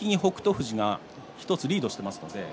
富士が１つリードしています。